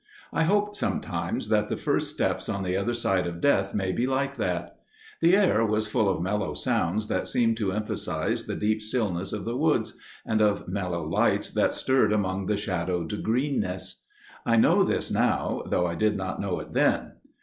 I hope sometimes that the first steps on the other side of death may be like that. The air was full of mellow sounds that seemed to emphasise the deep stillness of the woods, and of mellow lights that stirred among the shadowed greenness. I know this now, though I did not know it then.